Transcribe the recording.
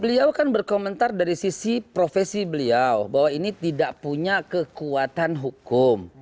beliau kan berkomentar dari sisi profesi beliau bahwa ini tidak punya kekuatan hukum